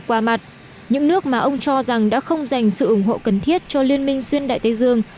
qua mặt những nước mà ông cho rằng đã không dành sự ủng hộ cần thiết cho liên minh xuyên đại tây dương